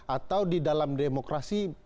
atau di dalam demokrasi